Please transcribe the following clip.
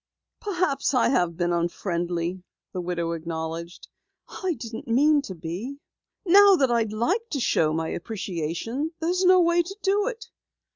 "Perhaps I have been unfriendly," the widow acknowledged. "I didn't mean to be. Now that I'd like to show my appreciation, there's no way to do it.